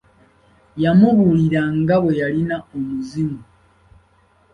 Yamubuuliranga bwe yalina omuzimu.